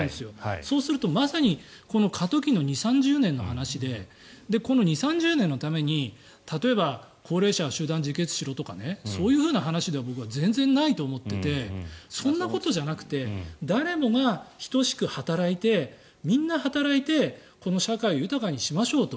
そうするとまさにこの過渡期の２０３０年の話でこの２０３０年のために例えば、高齢者は集団自決しろとかそういう話では僕は全然ないと思っていてそんなことじゃなくて誰もが等しく働いてみんな働いてこの社会を豊かにしましょうと。